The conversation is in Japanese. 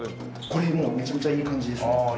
これもうめちゃめちゃいい感じですね。